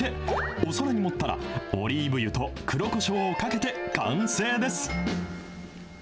お皿に盛ったら、オリーブ油と黒こしょうをかけて完成です。